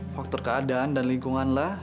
faktor keadaan dan lingkungan lah